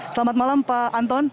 selamat malam pak anton